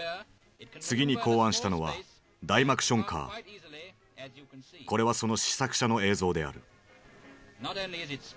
次に考案したのはこれはその試作車の映像である。